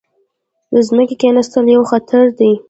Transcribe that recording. د ځمکې کیناستل یو خطر دی.